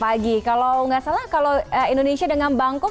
pagi kalau nggak salah kalau indonesia dengan bangku